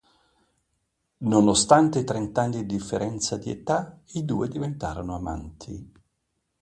Nonostante i trent'anni di differenza di età, i due diventarono amanti.